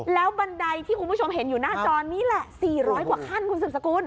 แล้วบันไดที่คุณผู้ชมเห็นอยู่หน้าจอนี้แหละ๔๐๐กว่าขั้นคุณสืบสกุล